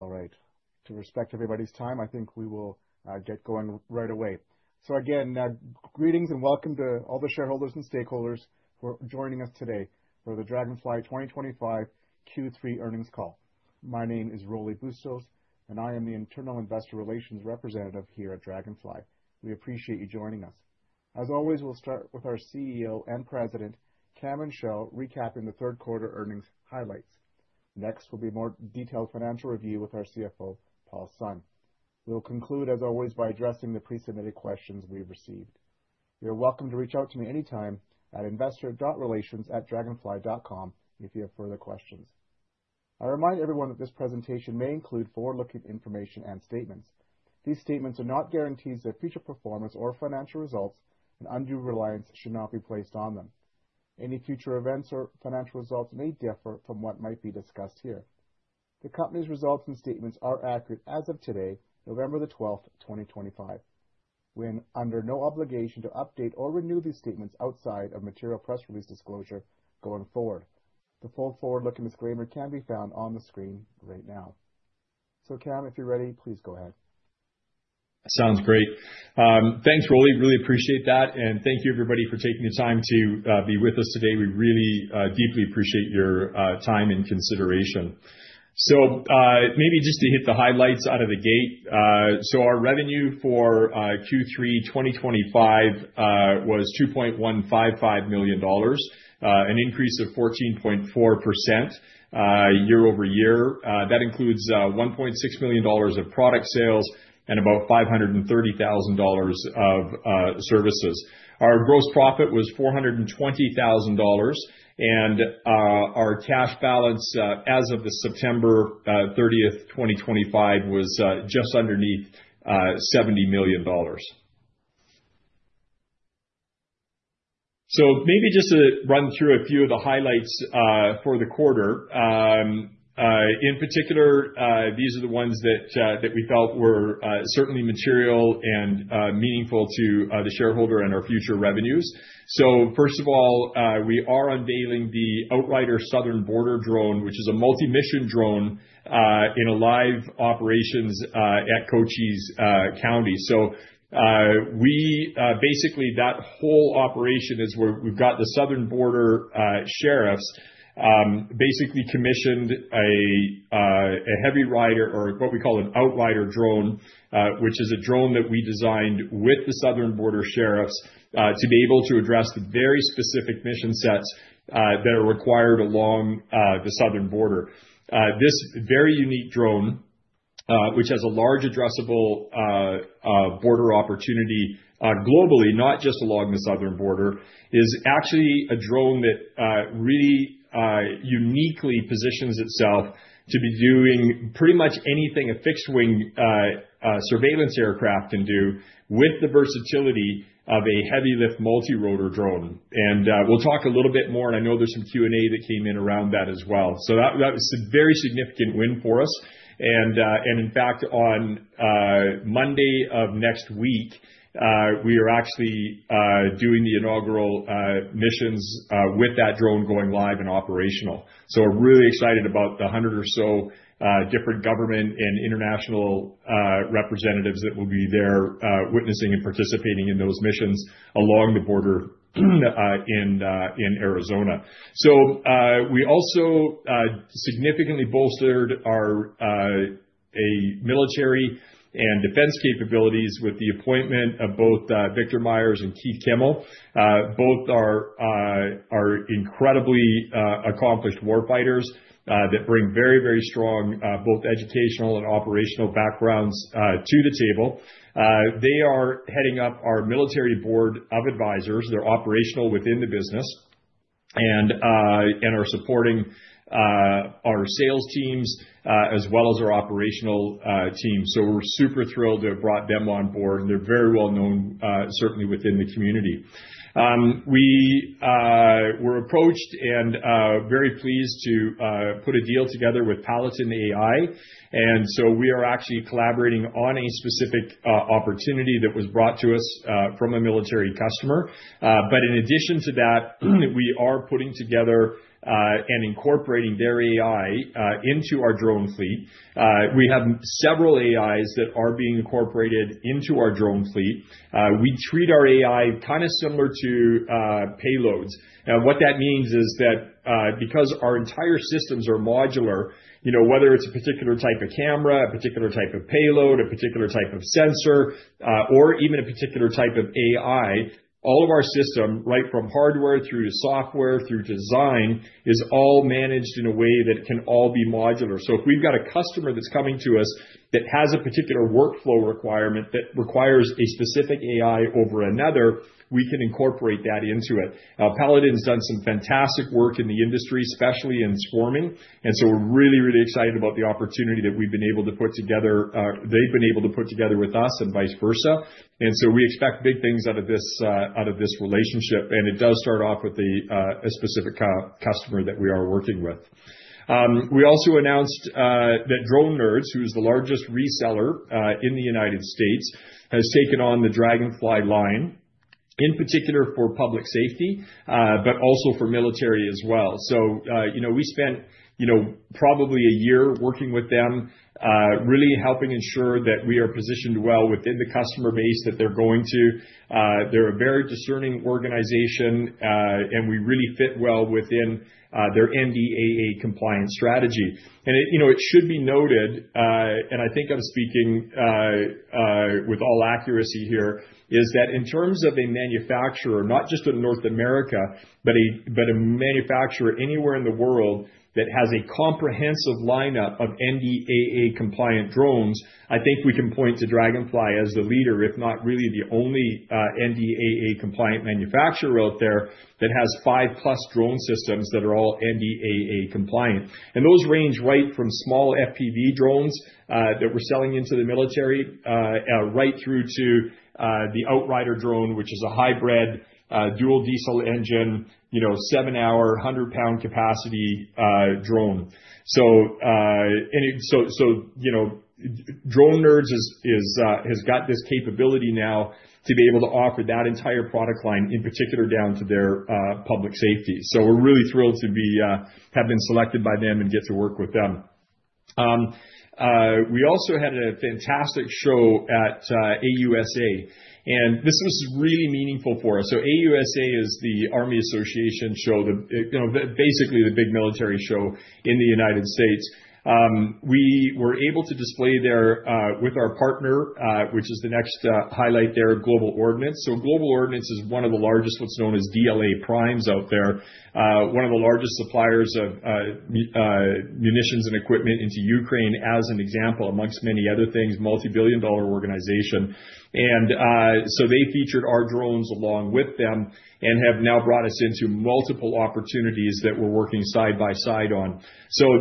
All right. To respect everybody's time, I think we will get going right away. So again, greetings and welcome to all the shareholders and stakeholders who are joining us today for the Draganfly 2025 Q3 Earnings Call. My name is Rolly Bustos, and I am the Internal Investor Relations Representative here at Draganfly. We appreciate you joining us. As always, we'll start with our CEO and President, Cameron Chell, recapping the third quarter earnings highlights. Next, we'll be more detailed financial review with our CFO, Paul Sun. We'll conclude, as always, by addressing the pre-submitted questions we've received. You're welcome to reach out to me anytime at investor.relations@draganfly.com if you have further questions. I remind everyone that this presentation may include forward-looking information and statements. These statements are not guarantees of future performance or financial results, and undue reliance should not be placed on them. Any future events or financial results may differ from what might be discussed here. The company's results and statements are accurate as of today, November the 12th, 2025. We're under no obligation to update or renew these statements outside of material press release disclosure going forward. The full forward-looking disclaimer can be found on the screen right now. So, Cam, if you're ready, please go ahead. Sounds great. Thanks, Rolly. Really appreciate that. And thank you, everybody, for taking the time to be with us today. We really deeply appreciate your time and consideration. So maybe just to hit the highlights out of the gate, so our revenue for Q3 2025 was $2.155 million, an increase of 14.4% year over year. That includes $1.6 million of product sales and about $530,000 of services. Our gross profit was $420,000, and our cash balance as of September 30th, 2025, was just underneath $70 million. So maybe just to run through a few of the highlights for the quarter. In particular, these are the ones that we felt were certainly material and meaningful to the shareholder and our future revenues. So first of all, we are unveiling the Outrider Southern Border drone, which is a multi-mission drone in a live operations at Cochise County. So we basically, that whole operation is where we've got the Southern Border sheriffs basically commissioned an Outrider drone, which is a drone that we designed with the Southern Border sheriffs to be able to address the very specific mission sets that are required along the Southern Border. This very unique drone, which has a large addressable border opportunity globally, not just along the Southern Border, is actually a drone that really uniquely positions itself to be doing pretty much anything a fixed-wing surveillance aircraft can do with the versatility of a heavy-lift multi-rotor drone. And we'll talk a little bit more, and I know there's some Q&A that came in around that as well. So that was a very significant win for us. And in fact, on Monday of next week, we are actually doing the inaugural missions with that drone going live and operational. So we're really excited about the 100 or so different government and international representatives that will be there witnessing and participating in those missions along the border in Arizona. So we also significantly bolstered our military and defense capabilities with the appointment of both Victor Meyer and Keith Kimmel. Both are incredibly accomplished warfighters that bring very, very strong both educational and operational backgrounds to the table. They are heading up our military board of advisors. They're operational within the business and are supporting our sales teams as well as our operational team. So we're super thrilled to have brought them on board. They're very well known, certainly within the community. We were approached and very pleased to put a deal together with Palladyne AI. And so we are actually collaborating on a specific opportunity that was brought to us from a military customer. But in addition to that, we are putting together and incorporating their AI into our drone fleet. We have several AIs that are being incorporated into our drone fleet. We treat our AI kind of similar to payloads. Now, what that means is that because our entire systems are modular, whether it's a particular type of camera, a particular type of payload, a particular type of sensor, or even a particular type of AI, all of our system, right from hardware through to software through design, is all managed in a way that can all be modular. So if we've got a customer that's coming to us that has a particular workflow requirement that requires a specific AI over another, we can incorporate that into it. Now, Palladyne has done some fantastic work in the industry, especially in swarming. And so we're really, really excited about the opportunity that we've been able to put together. They've been able to put together with us and vice versa. And so we expect big things out of this relationship. And it does start off with a specific customer that we are working with. We also announced that Drone Nerds, who is the largest reseller in the United States, has taken on the Draganfly line, in particular for public safety, but also for military as well. So we spent probably a year working with them, really helping ensure that we are positioned well within the customer base that they're going to. They're a very discerning organization, and we really fit well within their NDAA compliance strategy. It should be noted, and I think I'm speaking with all accuracy here, is that in terms of a manufacturer, not just in North America, but a manufacturer anywhere in the world that has a comprehensive lineup of NDAA compliant drones. I think we can point to Draganfly as the leader, if not really the only NDAA compliant manufacturer out there that has five-plus drone systems that are all NDAA compliant. And those range right from small FPV drones that we're selling into the military, right through to the Outrider drone, which is a hybrid dual-diesel engine, seven-hour, 100-pound capacity drone. So Drone Nerds has got this capability now to be able to offer that entire product line, in particular down to their public safety. So we're really thrilled to have been selected by them and get to work with them. We also had a fantastic show at AUSA, and this was really meaningful for us. AUSA is the Association of the United States Army show, basically the big military show in the United States. We were able to display there with our partner, which is the next highlight there, Global Ordnance. Global Ordnance is one of the largest, what's known as DLA primes out there, one of the largest suppliers of munitions and equipment into Ukraine, as an example, amongst many other things, multi-billion dollar organization. They featured our drones along with them and have now brought us into multiple opportunities that we're working side by side on.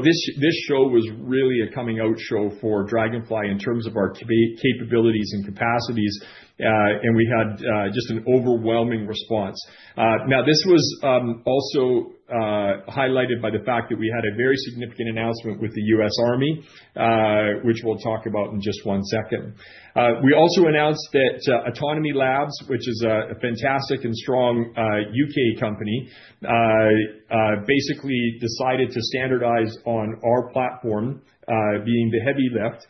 This show was really a coming out show for Draganfly in terms of our capabilities and capacities, and we had just an overwhelming response. Now, this was also highlighted by the fact that we had a very significant announcement with the US Army, which we'll talk about in just one second. We also announced that Autonomy Labs, which is a fantastic and strong UK company, basically decided to standardize on our platform, being the heavy lift,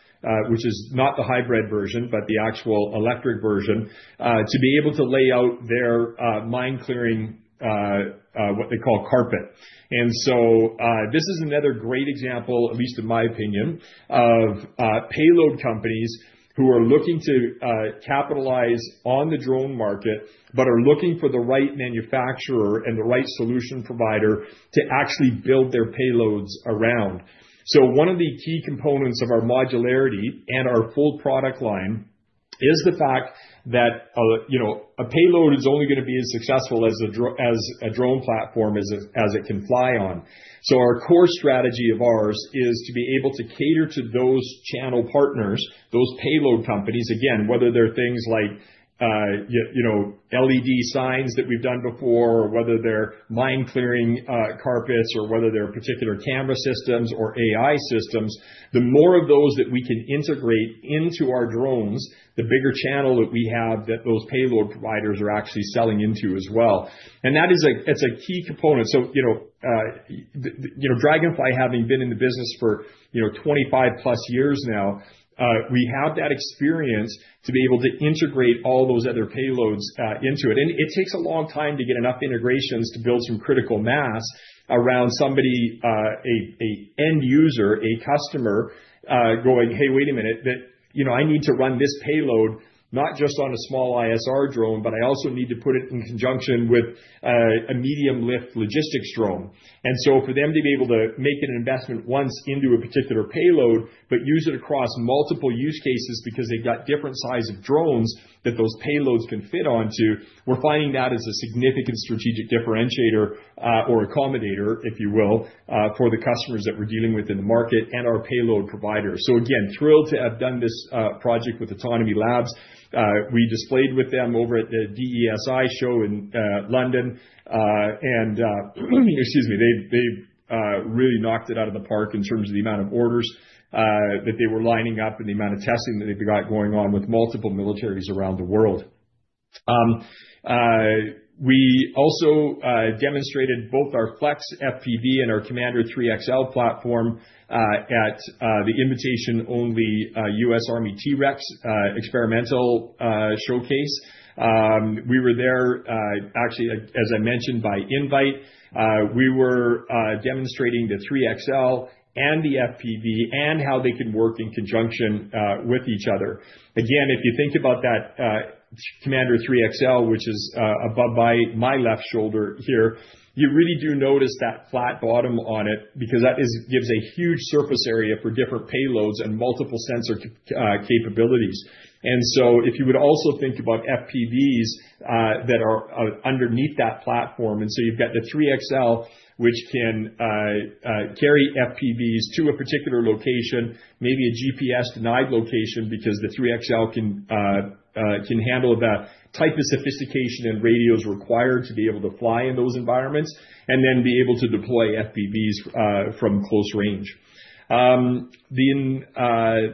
which is not the hybrid version, but the actual electric version, to be able to lay out their mine clearing, what they call carpet. And so this is another great example, at least in my opinion, of payload companies who are looking to capitalize on the drone market, but are looking for the right manufacturer and the right solution provider to actually build their payloads around. One of the key components of our modularity and our full product line is the fact that a payload is only going to be as successful as a drone platform as it can fly on. Our core strategy of ours is to be able to cater to those channel partners, those payload companies, again, whether they're things like LED signs that we've done before, or whether they're mine clearing carpets, or whether they're particular camera systems or AI systems. The more of those that we can integrate into our drones, the bigger channel that we have that those payload providers are actually selling into as well. That is a key component. Draganfly, having been in the business for 25+ years now, we have that experience to be able to integrate all those other payloads into it. It takes a long time to get enough integrations to build some critical mass around somebody, an end user, a customer going, "Hey, wait a minute, that I need to run this payload, not just on a small ISR drone, but I also need to put it in conjunction with a medium-lift logistics drone." And so for them to be able to make an investment once into a particular payload, but use it across multiple use cases because they've got different sizes of drones that those payloads can fit onto, we're finding that is a significant strategic differentiator or accommodator, if you will, for the customers that we're dealing with in the market and our payload providers. So again, thrilled to have done this project with Autonomy Labs. We displayed with them over at the DSEI show in London. Excuse me, they really knocked it out of the park in terms of the amount of orders that they were lining up and the amount of testing that they've got going on with multiple militaries around the world. We also demonstrated both our Flex FPV and our Commander 3XL platform at the invitation-only US Army T-REX experimental showcase. We were there, actually, as I mentioned, by invite. We were demonstrating the 3XL and the FPV and how they can work in conjunction with each other. Again, if you think about that Commander 3XL, which is above my left shoulder here, you really do notice that flat bottom on it because that gives a huge surface area for different payloads and multiple sensor capabilities, and so if you would also think about FPVs that are underneath that platform. You've got the 3XL, which can carry FPVs to a particular location, maybe a GPS-denied location because the 3XL can handle the type of sophistication and radios required to be able to fly in those environments and then be able to deploy FPVs from close range. The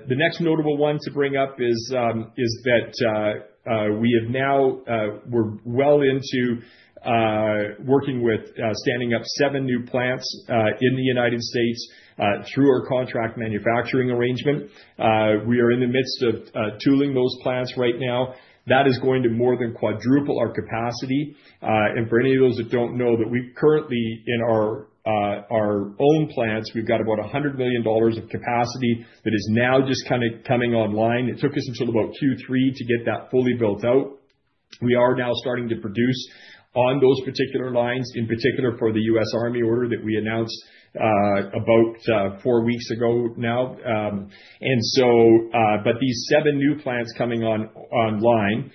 next notable one to bring up is that we have now, we're well into working with standing up seven new plants in the United States through our contract manufacturing arrangement. We are in the midst of tooling those plants right now. That is going to more than quadruple our capacity. For any of those that don't know that we currently, in our own plants, we've got about $100 million of capacity that is now just kind of coming online. It took us until about Q3 to get that fully built out. We are now starting to produce on those particular lines, in particular for the U.S. Army order that we announced about four weeks ago now, and so, but these seven new plants coming online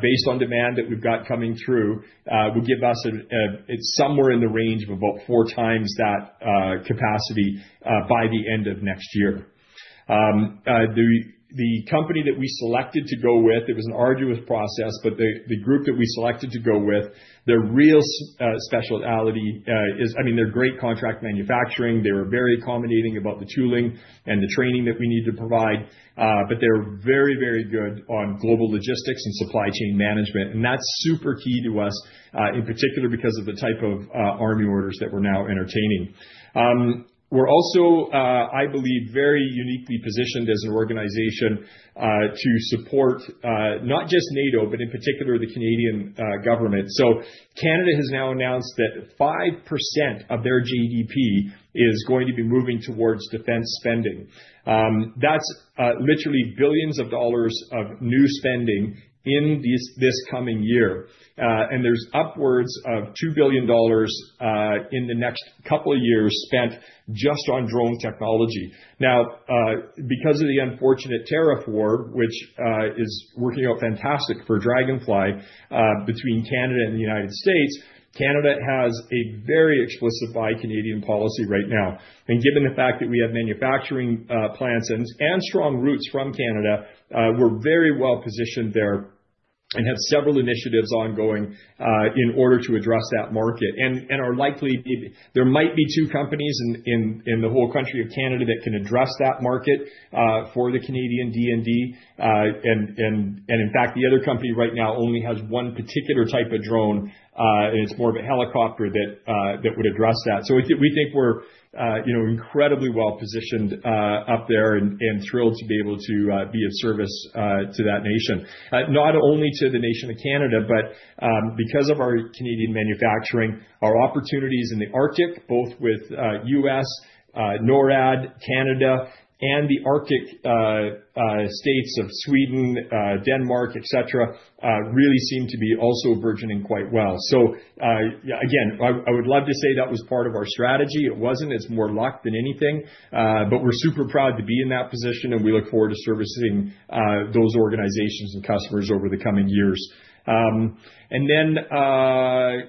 based on demand that we've got coming through will give us somewhere in the range of about four times that capacity by the end of next year. The company that we selected to go with, it was an arduous process, but the group that we selected to go with, their real specialty is, I mean, they're great contract manufacturing. They were very accommodating about the tooling and the training that we need to provide, but they're very, very good on global logistics and supply chain management, and that's super key to us, in particular because of the type of Army orders that we're now entertaining. We're also, I believe, very uniquely positioned as an organization to support not just NATO, but in particular the Canadian government. So Canada has now announced that 5% of their GDP is going to be moving towards defense spending. That's literally billions of dollars of new spending in this coming year. And there's upwards of 2 billion dollars in the next couple of years spent just on drone technology. Now, because of the unfortunate tariff war, which is working out fantastic for Draganfly between Canada and the United States, Canada has a very explicit buy Canadian policy right now. And given the fact that we have manufacturing plants and strong roots from Canada, we're very well positioned there and have several initiatives ongoing in order to address that market. And there might be two companies in the whole country of Canada that can address that market for the Canadian DND. In fact, the other company right now only has one particular type of drone, and it's more of a helicopter that would address that. So we think we're incredibly well positioned up there and thrilled to be able to be of service to that nation, not only to the nation of Canada, but because of our Canadian manufacturing, our opportunities in the Arctic, both with U.S., NORAD, Canada, and the Arctic states of Sweden, Denmark, etc., really seem to be also burgeoning quite well. So again, I would love to say that was part of our strategy. It wasn't. It's more luck than anything. But we're super proud to be in that position, and we look forward to servicing those organizations and customers over the coming years. And then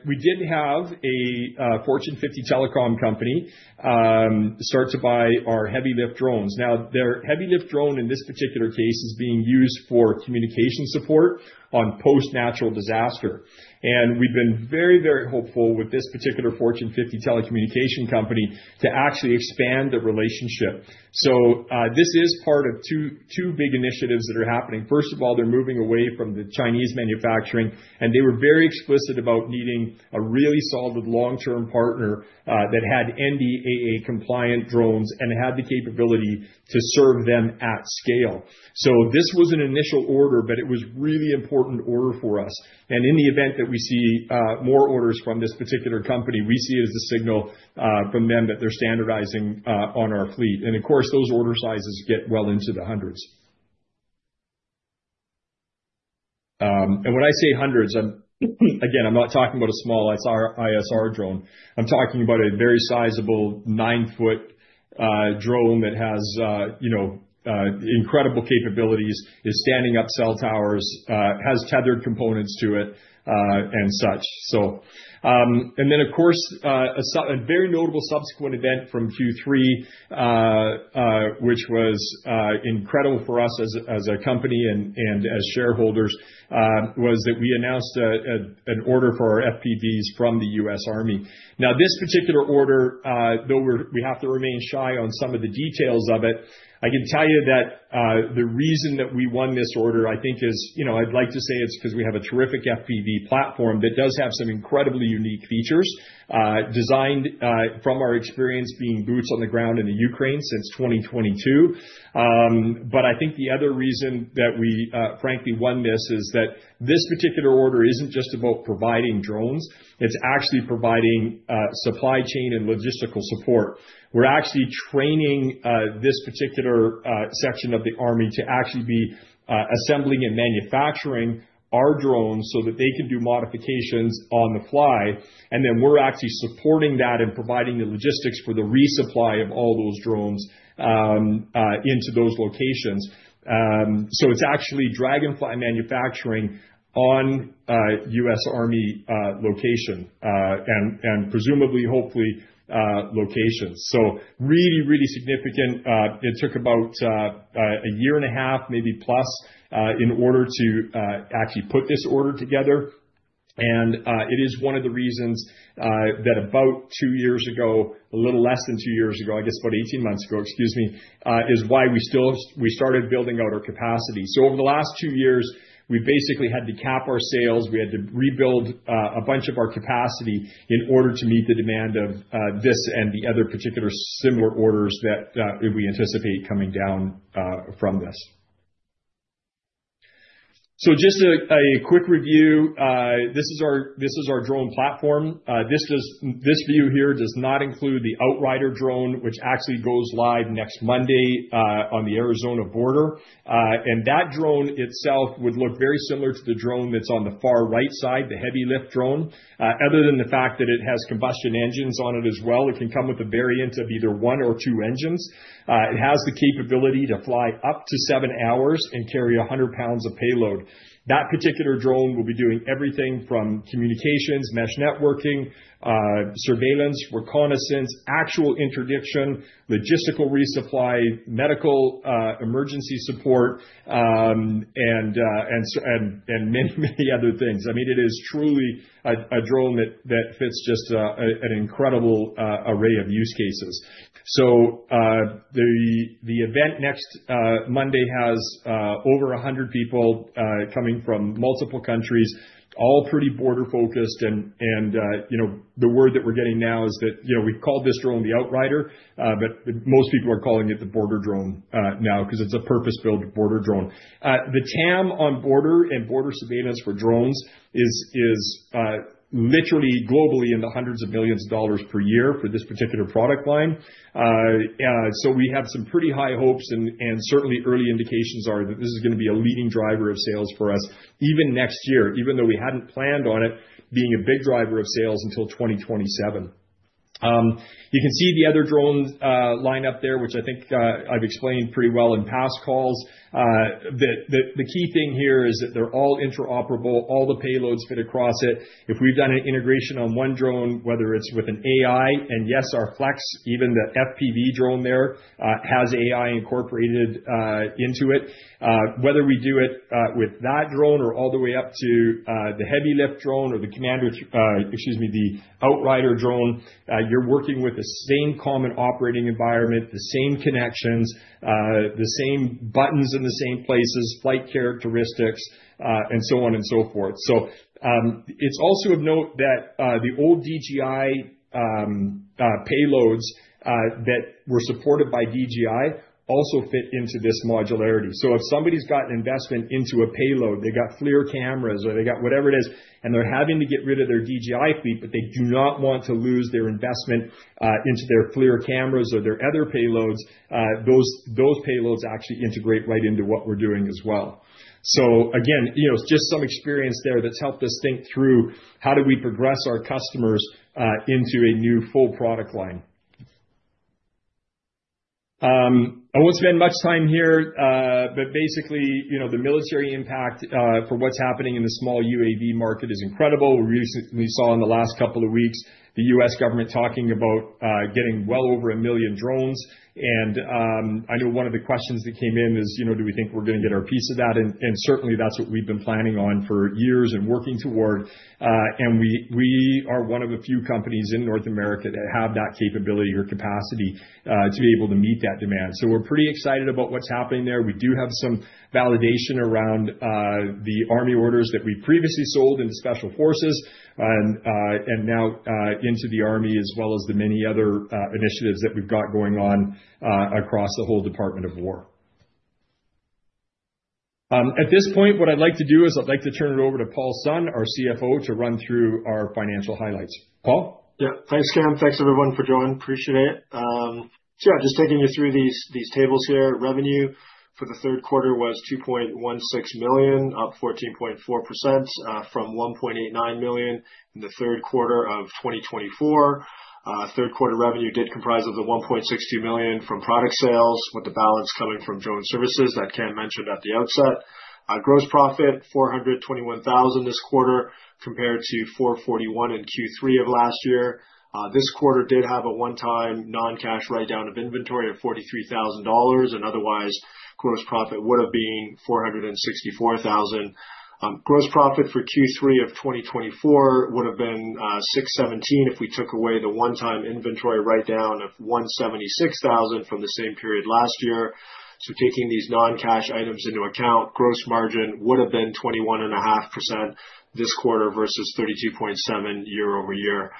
we did have a Fortune 50 telecom company start to buy our heavy-lift drones. Now, their heavy-lift drone in this particular case is being used for communication support on post-natural disaster, and we've been very, very hopeful with this particular Fortune 50 telecommunication company to actually expand the relationship, so this is part of two big initiatives that are happening. First of all, they're moving away from the Chinese manufacturing, and they were very explicit about needing a really solid long-term partner that had NDAA-compliant drones and had the capability to serve them at scale, so this was an initial order, but it was a really important order for us, and in the event that we see more orders from this particular company, we see it as a signal from them that they're standardizing on our fleet, and of course, those order sizes get well into the hundreds, and when I say hundreds, again, I'm not talking about a small ISR drone. I'm talking about a very sizable nine-foot drone that has incredible capabilities, is standing up cell towers, has tethered components to it, and such. And then, of course, a very notable subsequent event from Q3, which was incredible for us as a company and as shareholders, was that we announced an order for our FPVs from the U.S. Army. Now, this particular order, though we have to remain shy on some of the details of it, I can tell you that the reason that we won this order, I think, is I'd like to say it's because we have a terrific FPV platform that does have some incredibly unique features designed from our experience being boots on the ground in the Ukraine since 2022. But I think the other reason that we frankly won this is that this particular order isn't just about providing drones. It's actually providing supply chain and logistical support. We're actually training this particular section of the Army to actually be assembling and manufacturing our drones so that they can do modifications on the fly. And then we're actually supporting that and providing the logistics for the resupply of all those drones into those locations. So it's actually Draganfly manufacturing on US Army location and presumably, hopefully, locations. So really, really significant. It took about a year and a half, maybe plus, in order to actually put this order together. And it is one of the reasons that about two years ago, a little less than two years ago, I guess about 18 months ago, excuse me, is why we started building out our capacity. So over the last two years, we basically had to cap our sales. We had to rebuild a bunch of our capacity in order to meet the demand of this and the other particular similar orders that we anticipate coming down from this. So just a quick review, this is our drone platform. This view here does not include the Outrider drone, which actually goes live next Monday on the Arizona border. And that drone itself would look very similar to the drone that's on the far right side, the heavy-lift drone. Other than the fact that it has combustion engines on it as well, it can come with a variant of either one or two engines. It has the capability to fly up to seven hours and carry 100 pounds of payload. That particular drone will be doing everything from communications, mesh networking, surveillance, reconnaissance, actual interdiction, logistical resupply, medical emergency support, and many, many other things. I mean, it is truly a drone that fits just an incredible array of use cases. So the event next Monday has over 100 people coming from multiple countries, all pretty border-focused. And the word that we're getting now is that we've called this drone the Outrider, but most people are calling it the Border Drone now because it's a purpose-built border drone. The TAM on border and border surveillance for drones is literally globally in the hundreds of millions of dollars per year for this particular product line. So we have some pretty high hopes, and certainly early indications are that this is going to be a leading driver of sales for us even next year, even though we hadn't planned on it being a big driver of sales until 2027. You can see the other drone lineup there, which I think I've explained pretty well in past calls. The key thing here is that they're all interoperable, all the payloads fit across it. If we've done an integration on one drone, whether it's with an AI, and yes, our Flex, even the FPV drone there has AI incorporated into it. Whether we do it with that drone or all the way up to the heavy-lift drone or the Commander, excuse me, the Outrider drone, you're working with the same common operating environment, the same connections, the same buttons in the same places, flight characteristics, and so on and so forth. So it's also of note that the old DJI payloads that were supported by DJI also fit into this modularity. So if somebody's got an investment into a payload, they've got FLIR cameras or they've got whatever it is, and they're having to get rid of their DJI fleet, but they do not want to lose their investment into their FLIR cameras or their other payloads, those payloads actually integrate right into what we're doing as well. So again, just some experience there that's helped us think through how do we progress our customers into a new full product line. I won't spend much time here, but basically, the military impact for what's happening in the small UAV market is incredible. We recently saw in the last couple of weeks the US government talking about getting well over a million drones. And I know one of the questions that came in is, do we think we're going to get our piece of that? Certainly, that's what we've been planning on for years and working toward. We are one of a few companies in North America that have that capability or capacity to be able to meet that demand. We're pretty excited about what's happening there. We do have some validation around the Army orders that we previously sold into Special Forces and now into the Army, as well as the many other initiatives that we've got going on across the whole Department of Defense. At this point, what I'd like to do is I'd like to turn it over to Paul Sun, our CFO, to run through our financial highlights. Paul? Yeah. Thanks, Cam. Thanks, everyone, for joining. Appreciate it. So yeah, just taking you through these tables here. Revenue for the third quarter was 2.16 million, up 14.4% from 1.89 million in the third quarter of 2024. Third quarter revenue did comprise of the $1.62 million from product sales, with the balance coming from drone services that Cam mentioned at the outset. Gross profit $421,000 this quarter compared to $441,000 in Q3 of last year. This quarter did have a one-time non-cash write-down of inventory of $43,000, and otherwise, gross profit would have been $464,000. Gross profit for Q3 of 2024 would have been $617,000 if we took away the one-time inventory write-down of $176,000 from the same period last year. So taking these non-cash items into account, gross margin would have been 21.5% this quarter versus 32.7% year over year.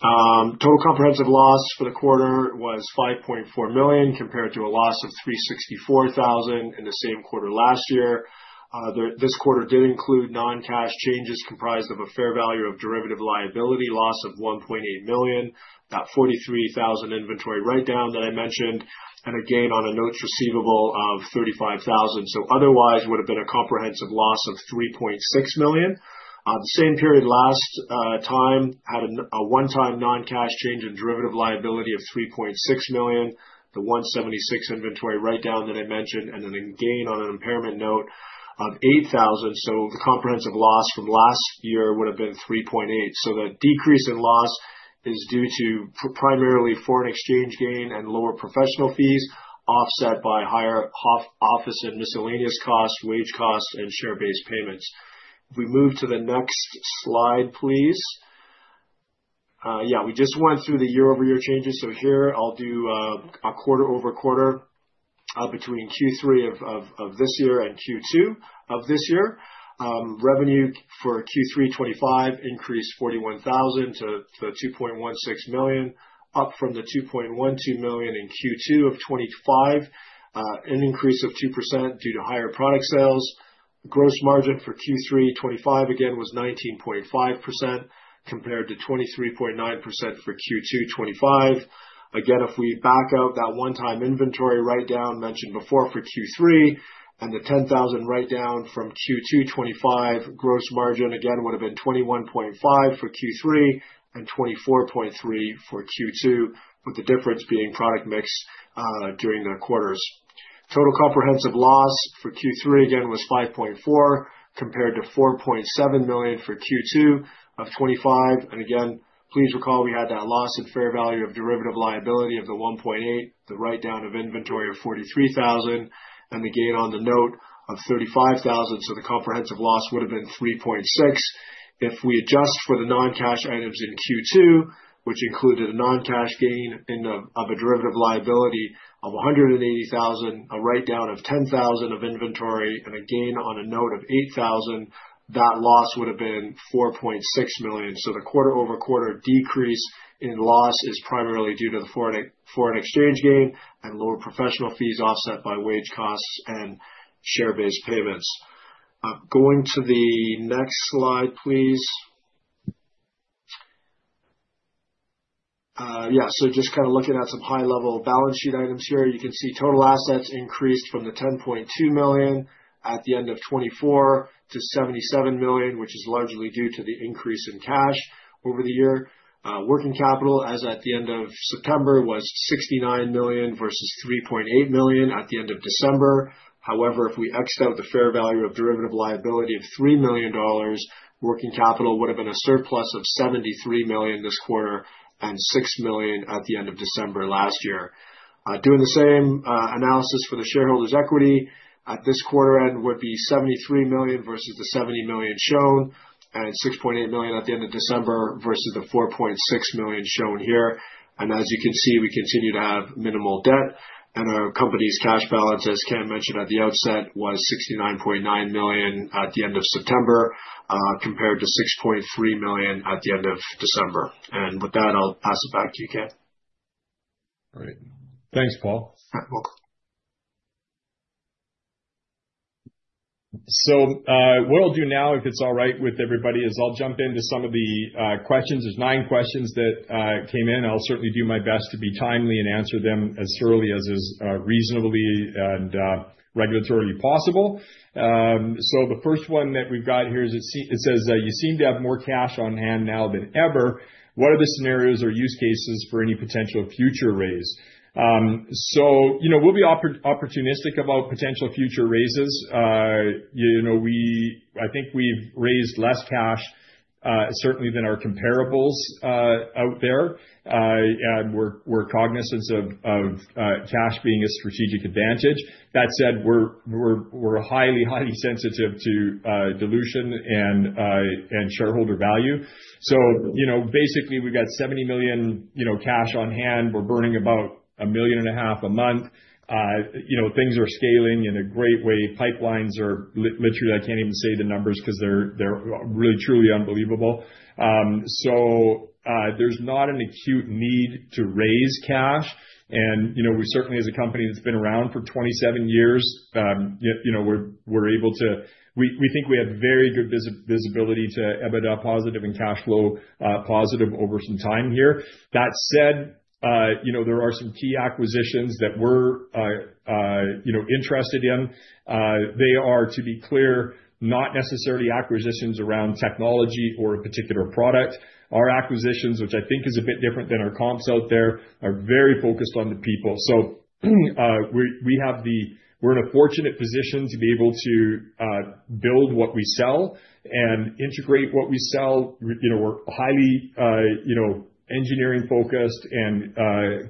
Total comprehensive loss for the quarter was $5.4 million compared to a loss of $364,000 in the same quarter last year. This quarter did include non-cash changes comprised of a fair value of derivative liability loss of $1.8 million, that $43,000 inventory write-down that I mentioned, and a gain on a notes receivable of $35,000. So otherwise, it would have been a comprehensive loss of $3.6 million. The same period last time had a one-time non-cash change in derivative liability of $3.6 million, the $176,000 inventory write-down that I mentioned, and then a gain on an impairment note of $8,000. So the comprehensive loss from last year would have been $3.8 million. So that decrease in loss is due to primarily foreign exchange gain and lower professional fees, offset by higher office and miscellaneous costs, wage costs, and share-based payments. If we move to the next slide, please. Yeah, we just went through the year-over-year changes. So here, I'll do a quarter-over-quarter between Q3 of this year and Q2 of this year. Revenue for Q3 2025 increased 41,000 to 2.16 million, up from the 2.12 million in Q2 of 2025, an increase of 2% due to higher product sales. Gross margin for Q3 2025, again, was 19.5% compared to 23.9% for Q2 2025. Again, if we back out that one-time inventory write-down mentioned before for Q3 and the 10,000 write-down from Q2 2025, gross margin, again, would have been 21.5% for Q3 and 24.3% for Q2, with the difference being product mix during the quarters. Total comprehensive loss for Q3, again, was 5.4 million compared to 4.7 million for Q2 of 2025. And again, please recall we had that loss in fair value of derivative liability of the 1.8 million, the write-down of inventory of 43,000, and the gain on the note of 35,000. So the comprehensive loss would have been 3.6 million. If we adjust for the non-cash items in Q2, which included a non-cash gain of a derivative liability of $180,000, a write-down of $10,000 of inventory, and a gain on a note of $8,000, that loss would have been $4.6 million. So the quarter-over-quarter decrease in loss is primarily due to the foreign exchange gain and lower professional fees offset by wage costs and share-based payments. Going to the next slide, please. Yeah. So just kind of looking at some high-level balance sheet items here, you can see total assets increased from the $10.2 million at the end of 2024 to $77 million, which is largely due to the increase in cash over the year. Working capital, as at the end of September, was $69 million versus $3.8 million at the end of December. However, if we excluded the fair value of derivative liability of $3 million, working capital would have been a surplus of $73 million this quarter and $6 million at the end of December last year. Doing the same analysis for the shareholders' equity at this quarter end would be $73 million versus the $70 million shown and $6.8 million at the end of December versus the $4.6 million shown here. As you can see, we continue to have minimal debt. Our company's cash balance, as Cam mentioned at the outset, was $69.9 million at the end of September compared to $6.3 million at the end of December. With that, I'll pass it back to you, Cam. All right. Thanks, Paul. You're welcome. What I'll do now, if it's all right with everybody, is I'll jump into some of the questions. There's nine questions that came in. I'll certainly do my best to be timely and answer them as early as is reasonably and regulatorily possible. So the first one that we've got here is it says you seem to have more cash on hand now than ever. What are the scenarios or use cases for any potential future raise? So we'll be opportunistic about potential future raises. I think we've raised less cash, certainly, than our comparables out there. We're cognizant of cash being a strategic advantage. That said, we're highly, highly sensitive to dilution and shareholder value. So basically, we've got 70 million cash on hand. We're burning about 1.5 million a month. Things are scaling in a great way. Pipelines are literally, I can't even say the numbers because they're really, truly unbelievable. So there's not an acute need to raise cash. We certainly, as a company that's been around for 27 years, we're able to. We think we have very good visibility to EBITDA positive and cash flow positive over some time here. That said, there are some key acquisitions that we're interested in. They are, to be clear, not necessarily acquisitions around technology or a particular product. Our acquisitions, which I think is a bit different than our comps out there, are very focused on the people. So we have the. We're in a fortunate position to be able to build what we sell and integrate what we sell. We're highly engineering-focused and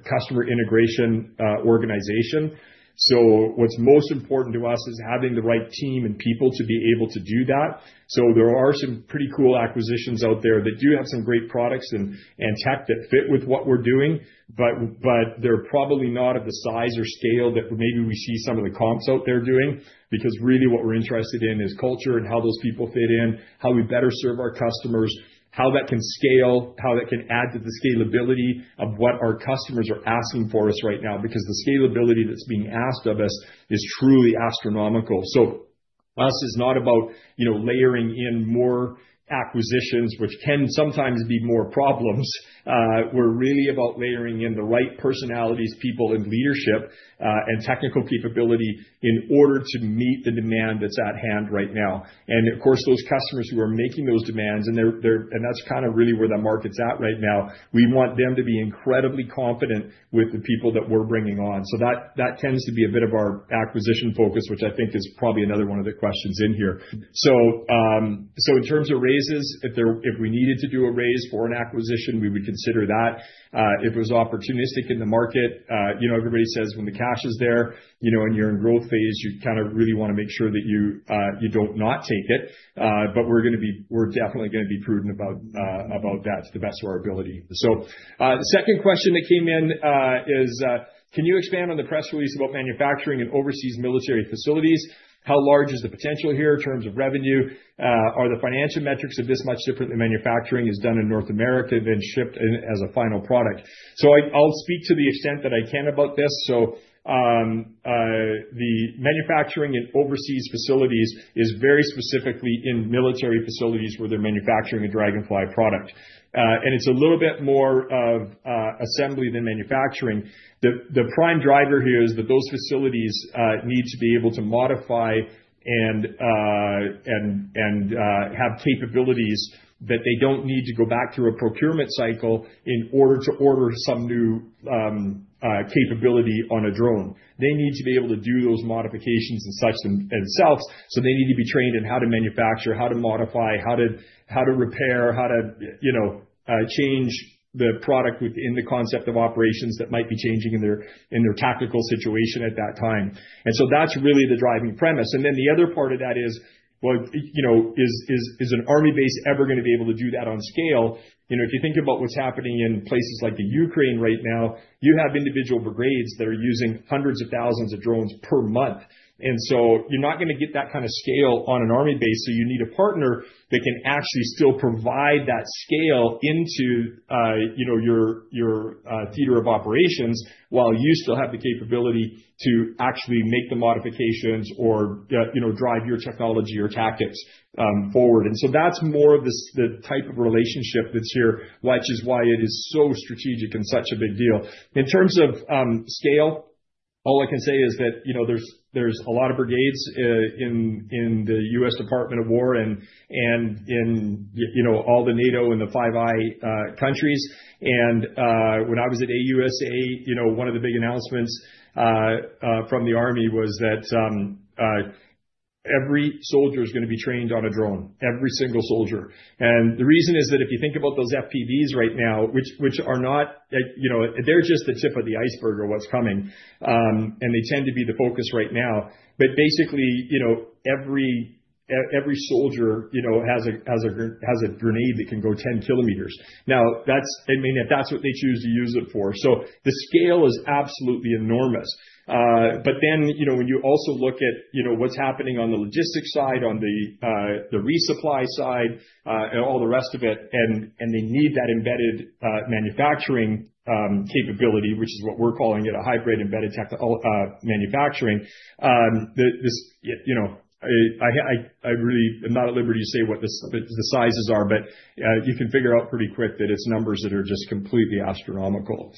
customer integration organization. So what's most important to us is having the right team and people to be able to do that. So, there are some pretty cool acquisitions out there that do have some great products and tech that fit with what we're doing, but they're probably not of the size or scale that maybe we see some of the comps out there doing, because really what we're interested in is culture and how those people fit in, how we better serve our customers, how that can scale, how that can add to the scalability of what our customers are asking for us right now, because the scalability that's being asked of us is truly astronomical, so it's not about layering in more acquisitions, which can sometimes be more problems. We're really about layering in the right personalities, people, and leadership and technical capability in order to meet the demand that's at hand right now. Of course, those customers who are making those demands, and that's kind of really where the market's at right now, we want them to be incredibly confident with the people that we're bringing on. So that tends to be a bit of our acquisition focus, which I think is probably another one of the questions in here. So in terms of raises, if we needed to do a raise for an acquisition, we would consider that. If it was opportunistic in the market, everybody says when the cash is there and you're in growth phase, you kind of really want to make sure that you don't not take it. But we're definitely going to be prudent about that to the best of our ability. So second question that came in is, can you expand on the press release about manufacturing and overseas military facilities? How large is the potential here in terms of revenue? Are the financial metrics of this much different than manufacturing is done in North America than shipped as a final product? I'll speak to the extent that I can about this. The manufacturing and overseas facilities is very specifically in military facilities where they're manufacturing a Draganfly product. It's a little bit more of assembly than manufacturing. The prime driver here is that those facilities need to be able to modify and have capabilities that they don't need to go back through a procurement cycle in order to order some new capability on a drone. They need to be able to do those modifications and such themselves. They need to be trained in how to manufacture, how to modify, how to repair, how to change the product within the concept of operations that might be changing in their tactical situation at that time. And so that's really the driving premise. And then the other part of that is, well, is an Army base ever going to be able to do that on scale? If you think about what's happening in places like Ukraine right now, you have individual brigades that are using hundreds of thousands of drones per month. And so you're not going to get that kind of scale on an Army base. So you need a partner that can actually still provide that scale into your theater of operations while you still have the capability to actually make the modifications or drive your technology or tactics forward. And so that's more of the type of relationship that's here, which is why it is so strategic and such a big deal. In terms of scale, all I can say is that there's a lot of brigades in the US Department of Defense and in all the NATO and the Five Eyes countries. And when I was at AUSA, one of the big announcements from the Army was that every soldier is going to be trained on a drone, every single soldier. And the reason is that if you think about those FPVs right now, which are not, they're just the tip of the iceberg of what's coming, and they tend to be the focus right now. But basically, every soldier has a grenade that can go 10 km. Now, that's what they choose to use it for. So the scale is absolutely enormous. But then when you also look at what's happening on the logistics side, on the resupply side, all the rest of it, and they need that embedded manufacturing capability, which is what we're calling it, a hybrid embedded manufacturing. I really am not at liberty to say what the sizes are, but you can figure out pretty quick that it's numbers that are just completely astronomical.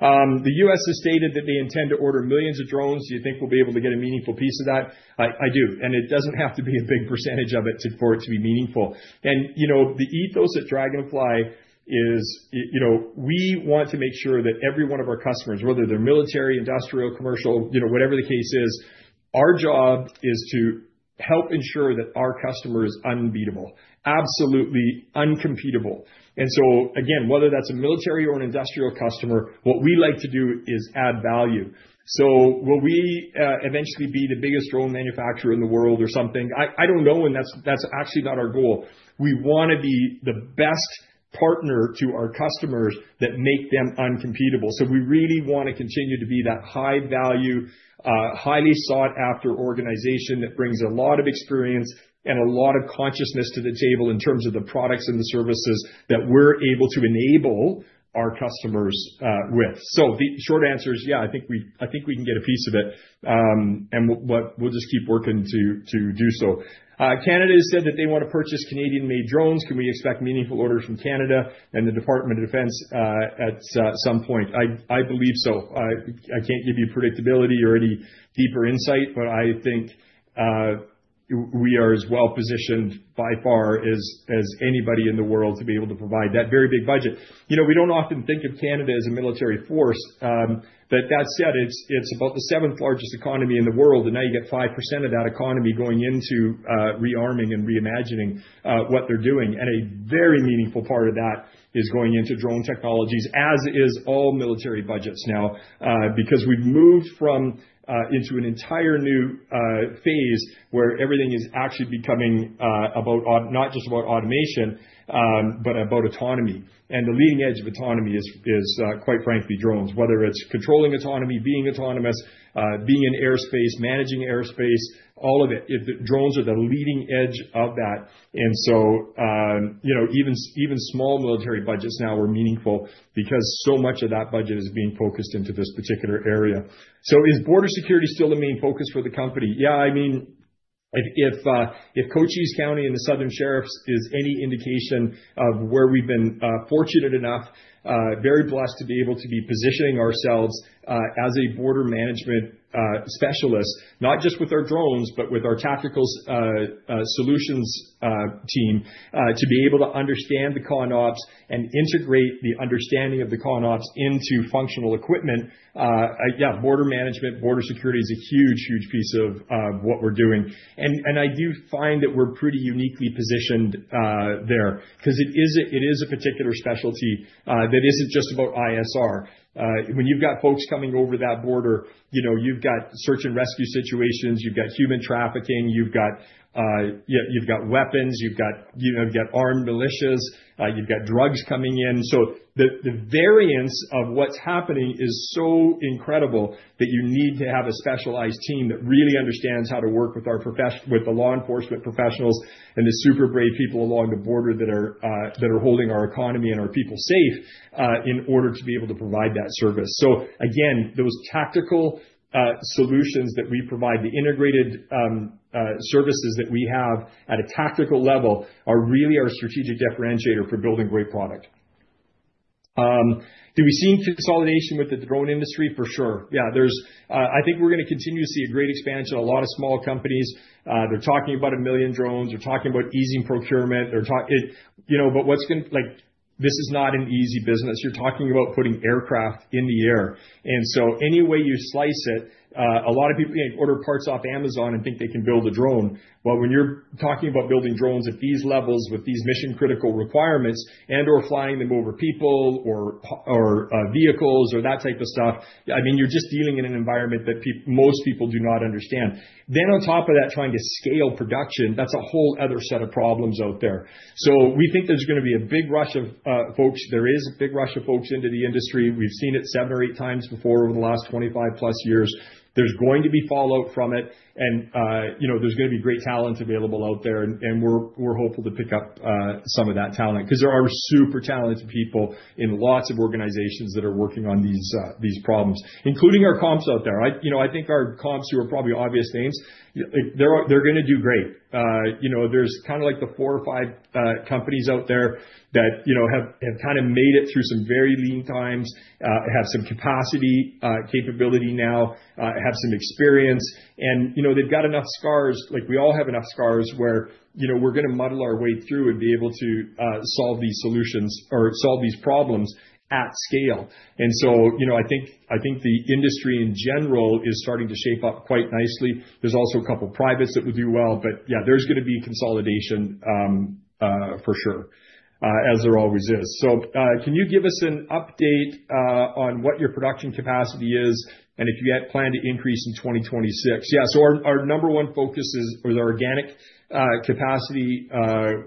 The U.S. has stated that they intend to order millions of drones. Do you think we'll be able to get a meaningful piece of that? I do. It doesn't have to be a big percentage of it for it to be meaningful. The ethos at Draganfly is we want to make sure that every one of our customers, whether they're military, industrial, commercial, whatever the case is, our job is to help ensure that our customer is unbeatable, absolutely incomparable. Again, whether that's a military or an industrial customer, what we like to do is add value. Will we eventually be the biggest drone manufacturer in the world or something? I don't know, and that's actually not our goal. We want to be the best partner to our customers that make them uncompetitive. We really want to continue to be that high-value, highly sought-after organization that brings a lot of experience and a lot of consciousness to the table in terms of the products and the services that we're able to enable our customers with. The short answer is, yeah, I think we can get a piece of it, and we'll just keep working to do so. Canada has said that they want to purchase Canadian-made drones. Can we expect meaningful orders from Canada and the Department of National Defence at some point? I believe so. I can't give you predictability or any deeper insight, but I think we are as well positioned by far as anybody in the world to be able to provide that very big budget. We don't often think of Canada as a military force, but that said, it's about the seventh largest economy in the world, and now you get 5% of that economy going into rearming and reimagining what they're doing, and a very meaningful part of that is going into drone technologies, as is all military budgets now, because we've moved into an entire new phase where everything is actually becoming not just about automation, but about autonomy, and the leading edge of autonomy is, quite frankly, drones, whether it's controlling autonomy, being autonomous, being in airspace, managing airspace, all of it. Drones are the leading edge of that. And so even small military budgets now are meaningful because so much of that budget is being focused into this particular area. So is border security still the main focus for the company? Yeah. I mean, if Cochise County and the Southern Sheriffs is any indication of where we've been fortunate enough, very blessed to be able to be positioning ourselves as a border management specialist, not just with our drones, but with our tactical solutions team, to be able to understand the CONOPS and integrate the understanding of the CONOPS into functional equipment. Yeah, border management, border security is a huge, huge piece of what we're doing. And I do find that we're pretty uniquely positioned there because it is a particular specialty that isn't just about ISR. When you've got folks coming over that border, you've got search and rescue situations, you've got human trafficking, you've got weapons, you've got armed militias, you've got drugs coming in, so the variance of what's happening is so incredible that you need to have a specialized team that really understands how to work with the law enforcement professionals and the super brave people along the border that are holding our economy and our people safe in order to be able to provide that service, so again, those tactical solutions that we provide, the integrated services that we have at a tactical level are really our strategic differentiator for building great product. Do we see consolidation with the drone industry? For sure. Yeah. I think we're going to continue to see a great expansion. A lot of small companies, they're talking about a million drones. They're talking about easing procurement. This is not an easy business. You're talking about putting aircraft in the air. And so any way you slice it, a lot of people order parts off Amazon and think they can build a drone. Well, when you're talking about building drones at these levels with these mission-critical requirements and/or flying them over people or vehicles or that type of stuff, I mean, you're just dealing in an environment that most people do not understand. Then on top of that, trying to scale production, that's a whole other set of problems out there. So we think there's going to be a big rush of folks. There is a big rush of folks into the industry. We've seen it seven or eight times before over the last 25 years. There's going to be fallout from it, and there's going to be great talent available out there. We're hopeful to pick up some of that talent because there are super talented people in lots of organizations that are working on these problems, including our comps out there. I think our comps who are probably obvious names, they're going to do great. There's kind of like the four or five companies out there that have kind of made it through some very lean times, have some capacity, capability now, have some experience, and they've got enough scars. We all have enough scars where we're going to muddle our way through and be able to solve these solutions or solve these problems at scale. I think the industry in general is starting to shape up quite nicely. There's also a couple of privates that will do well, but yeah, there's going to be consolidation for sure, as there always is. So can you give us an update on what your production capacity is and if you plan to increase in 2026? Yeah. So our number one focus is our organic capacity,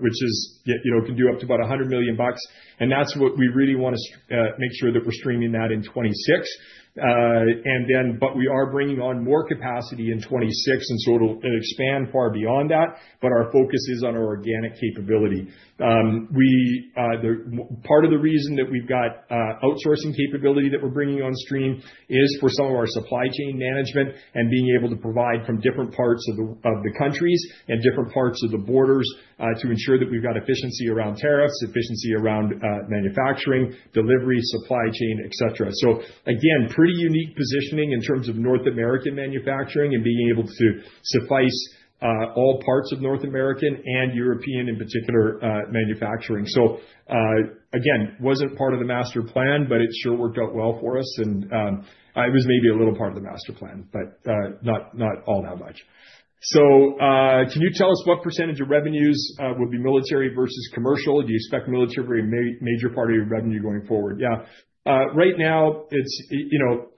which can do up to about $100 million. And that's what we really want to make sure that we're streaming that in 2026. But we are bringing on more capacity in 2026, and so it'll expand far beyond that. But our focus is on our organic capability. Part of the reason that we've got outsourcing capability that we're bringing on stream is for some of our supply chain management and being able to provide from different parts of the countries and different parts of the borders to ensure that we've got efficiency around tariffs, efficiency around manufacturing, delivery, supply chain, etc. So again, pretty unique positioning in terms of North American manufacturing and being able to suffice all parts of North American and European in particular manufacturing. So again, wasn't part of the master plan, but it sure worked out well for us. And it was maybe a little part of the master plan, but not all that much. So can you tell us what percentage of revenues would be military versus commercial? Do you expect military to be a major part of your revenue going forward? Yeah. Right now,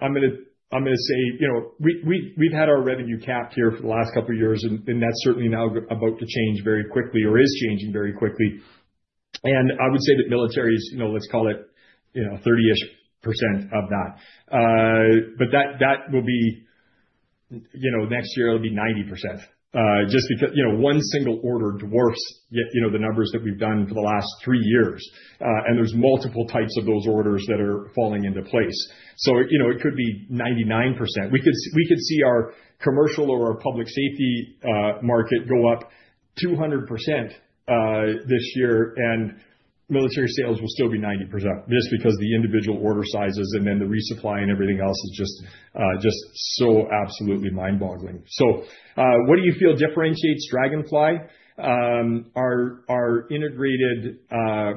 I'm going to say we've had our revenue capped here for the last couple of years, and that's certainly now about to change very quickly or is changing very quickly. And I would say that military is, let's call it 30-ish% of that. But that will be next year, it'll be 90% just because one single order dwarfs the numbers that we've done for the last three years. And there's multiple types of those orders that are falling into place. So it could be 99%. We could see our commercial or our public safety market go up 200% this year, and military sales will still be 90% just because the individual order sizes and then the resupply and everything else is just so absolutely mind-boggling. So what do you feel differentiates Draganfly? Our integrated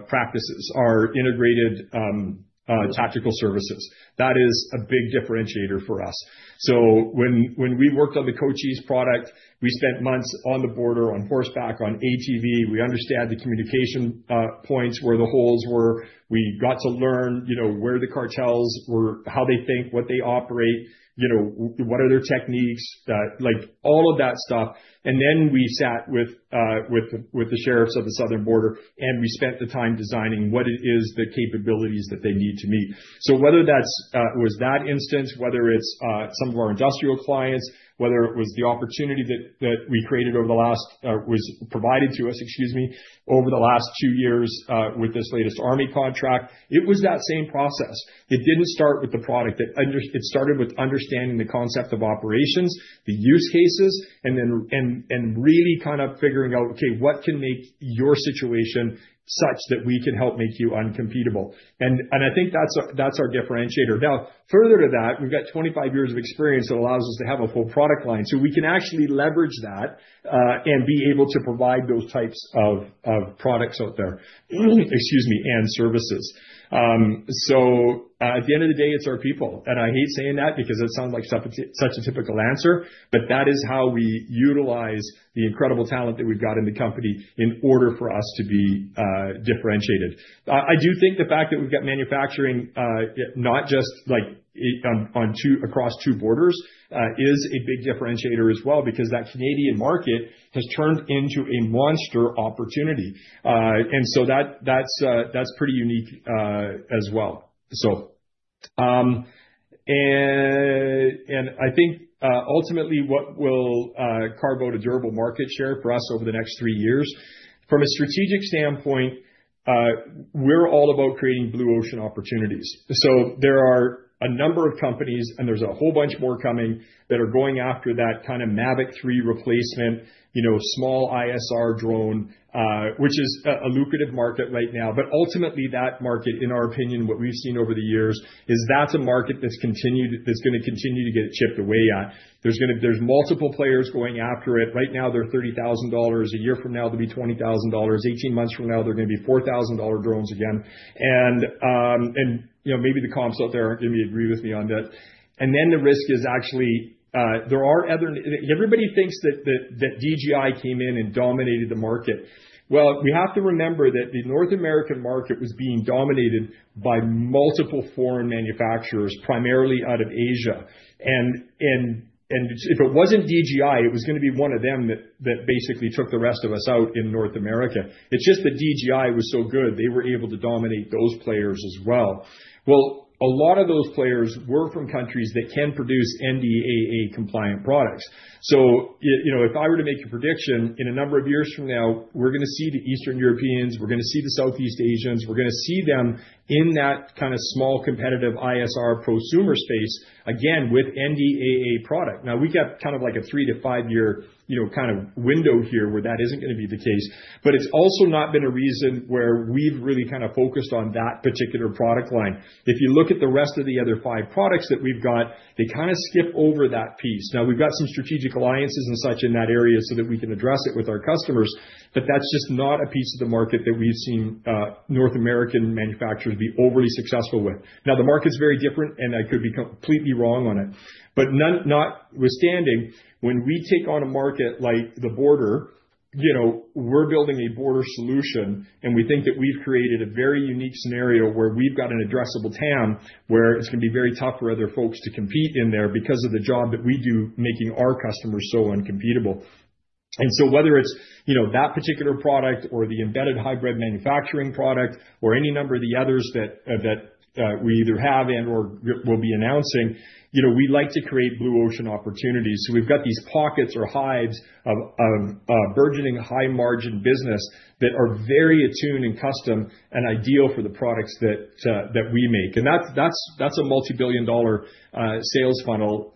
practices, our integrated tactical services. That is a big differentiator for us. So when we worked on the Cochise product, we spent months on the border, on horseback, on ATV. We understand the communication points where the holes were. We got to learn where the cartels were, how they think, what they operate, what are their techniques, all of that stuff. And then we sat with the sheriffs of the Southern Border, and we spent the time designing what it is, the capabilities that they need to meet. So whether that was that instance, whether it's some of our industrial clients, whether it was the opportunity that we created over the last was provided to us, excuse me, over the last two years with this latest Army contract, it was that same process. It didn't start with the product. It started with understanding the concept of operations, the use cases, and then really kind of figuring out, okay, what can make your situation such that we can help make you uncompetitive? And I think that's our differentiator. Now, further to that, we've got 25 years of experience that allows us to have a full product line. So we can actually leverage that and be able to provide those types of products out there, excuse me, and services. So at the end of the day, it's our people. And I hate saying that because it sounds like such a typical answer, but that is how we utilize the incredible talent that we've got in the company in order for us to be differentiated. I do think the fact that we've got manufacturing not just across two borders is a big differentiator as well because that Canadian market has turned into a monster opportunity. And so that's pretty unique as well. And I think ultimately what will carve out a durable market share for us over the next three years, from a strategic standpoint, we're all about creating Blue Ocean opportunities. So there are a number of companies, and there's a whole bunch more coming that are going after that kind of Mavic 3 replacement, small ISR drone, which is a lucrative market right now. But ultimately, that market, in our opinion, what we've seen over the years is that's a market that's going to continue to get chipped away at. There's multiple players going after it. Right now, they're $30,000. A year from now, they'll be $20,000. 18 months from now, they're going to be $4,000 drones again. And maybe the comps out there are going to agree with me on that. And then the risk is actually there are others. Everybody thinks that DJI came in and dominated the market. Well, we have to remember that the North American market was being dominated by multiple foreign manufacturers, primarily out of Asia. And if it wasn't DJI, it was going to be one of them that basically took the rest of us out in North America. It's just that DJI was so good, they were able to dominate those players as well. Well, a lot of those players were from countries that can produce NDAA compliant products. So if I were to make a prediction, in a number of years from now, we're going to see the Eastern Europeans, we're going to see the Southeast Asians, we're going to see them in that kind of small competitive ISR prosumer space, again, with NDAA product. Now, we got kind of like a three- to five-year kind of window here where that isn't going to be the case, but it's also not been a reason where we've really kind of focused on that particular product line. If you look at the rest of the other five products that we've got, they kind of skip over that piece. Now, we've got some strategic alliances and such in that area so that we can address it with our customers, but that's just not a piece of the market that we've seen North American manufacturers be overly successful with. Now, the market's very different, and I could be completely wrong on it. But notwithstanding, when we take on a market like the border, we're building a border solution, and we think that we've created a very unique scenario where we've got an addressable TAM where it's going to be very tough for other folks to compete in there because of the job that we do making our customers so uncompetitive, and so whether it's that particular product or the embedded hybrid manufacturing product or any number of the others that we either have and/or will be announcing, we like to create Blue Ocean opportunities, so we've got these pockets or hives of burgeoning high-margin business that are very attuned and custom and ideal for the products that we make, and that's a multi-billion-dollar sales funnel,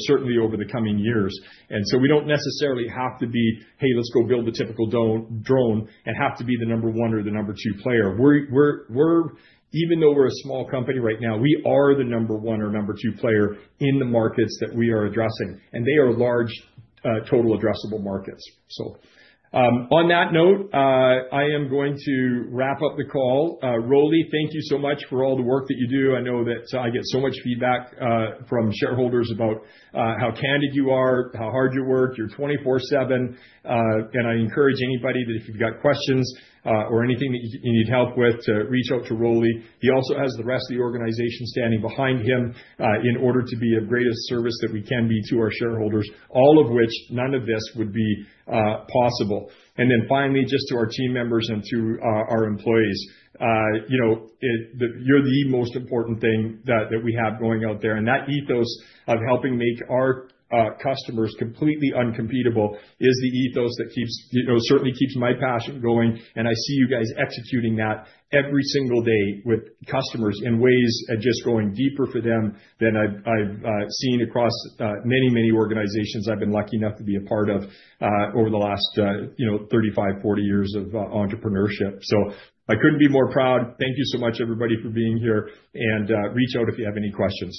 certainly over the coming years. And so we don't necessarily have to be, "Hey, let's go build the typical drone," and have to be the number one or the number two player. Even though we're a small company right now, we are the number one or number two player in the markets that we are addressing, and they are large total addressable markets. So on that note, I am going to wrap up the call. Rolly, thank you so much for all the work that you do. I know that I get so much feedback from shareholders about how candid you are, how hard you work, you're 24/7. And I encourage anybody that if you've got questions or anything that you need help with to reach out to Rolly. He also has the rest of the organization standing behind him in order to be of greatest service that we can be to our shareholders, all of which none of this would be possible. And then finally, just to our team members and to our employees, you're the most important thing that we have going out there. And that ethos of helping make our customers completely uncompetitive is the ethos that certainly keeps my passion going. And I see you guys executing that every single day with customers in ways just going deeper for them than I've seen across many, many organizations I've been lucky enough to be a part of over the last 35, 40 years of entrepreneurship. So I couldn't be more proud. Thank you so much, everybody, for being here. And reach out if you have any questions.